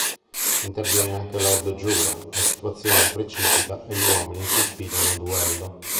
Interviene anche lord Jura: la situazione precipita e gli uomini si sfidano a duello.